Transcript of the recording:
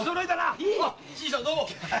新さんどうも！